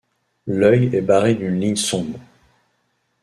L'œil est barré d'une ligne sombre.